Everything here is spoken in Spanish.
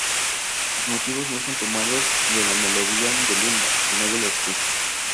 Sus motivos no son tomados de la melodía del himno, sino de la orquesta.